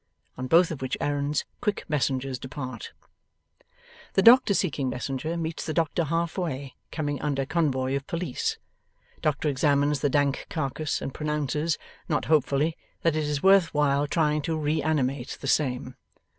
On both of which errands, quick messengers depart. The doctor seeking messenger meets the doctor halfway, coming under convoy of police. Doctor examines the dank carcase, and pronounces, not hopefully, that it is worth while trying to reanimate the same.